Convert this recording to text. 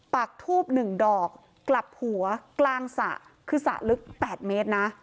ปักทูบหนึ่งดอกกลับหัวกลางสะคือสะลึกแปดเมตรนะ